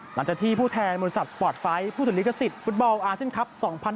หลังจากที่ผู้แทนบริษัทสปอร์ตไฟต์ผู้ถูกลิขสิทธิ์ฟุตเบาอาร์เซ็นครับ๒๐๒๒